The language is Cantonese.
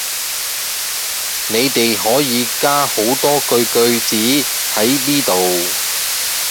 你哋可以加好多句句子喺依度